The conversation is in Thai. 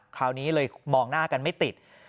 คราวนี้เลยมองหน้ากันไม่ติด